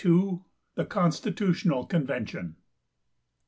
THE CONSTITUTIONAL CONVENTION.